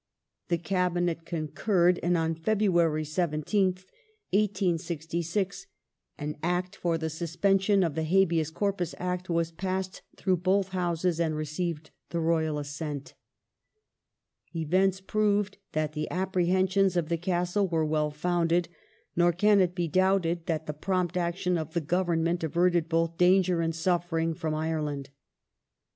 The Cabinet con curred, and on February 17th, 1866, an Act for the suspension of the Habeas Corpus Act was passed through both Houses and received the Royal assent.^ Events proved that the apprehensions of the Castle were well founded, nor can it be doubted that the prompt action of the Government averted both danger and suffering from Ireland.